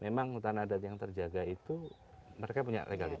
memang hutan adat yang terjaga itu mereka punya legalitas